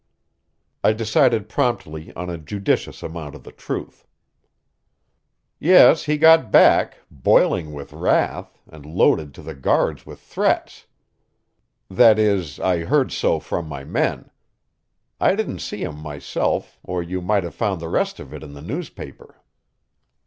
I decided promptly on a judicious amount of the truth. "Yes, he got back, boiling with wrath, and loaded to the guards with threats that is, I heard so from my men. I didn't see him myself, or you might have found the rest of it in the newspaper."